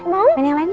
main yang lain yuk